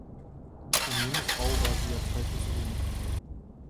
Eine junge Frau war sie ja zweifelsohne.